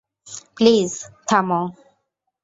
Please, থামো।